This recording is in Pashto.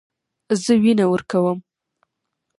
زه وینه ورکوم.